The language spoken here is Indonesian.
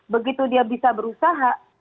begitu dia bisa berusaha